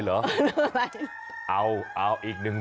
โอ้โหเรื่องอะไรเหรอ